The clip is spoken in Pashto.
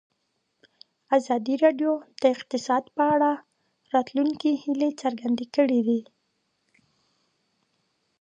ازادي راډیو د اقتصاد په اړه د راتلونکي هیلې څرګندې کړې.